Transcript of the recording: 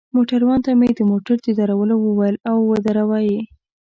موټروان ته مې د موټر د درولو وویل، او ودروه يې.